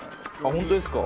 本当ですか？